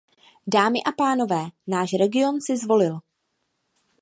Dámy a pánové, náš region si zvolil.